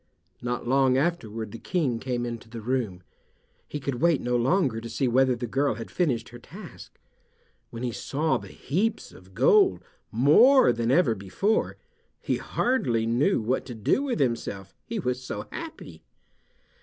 Not long afterward the King came into the room. He could wait no longer to see whether the girl had finished her task. When he saw the heaps of gold, more than ever before, he hardly knew what to do with himself, he was so happy.